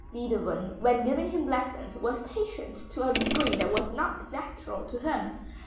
Beethoven when giving him lessons was patient to a degree that was not natural to him.